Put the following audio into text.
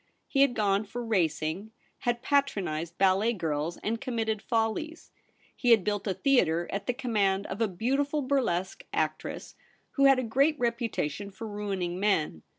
He had gone for racing, had patronized ballet girls, had committed follies. He had built a theatre at the command of a beautiful bur lesque actress, who had a great reputation for ruining men.